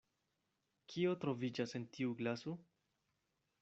Kio troviĝas en tiu glaso?